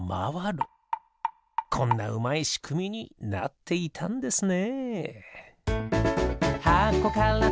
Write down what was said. こんなうまいしくみになっていたんですね。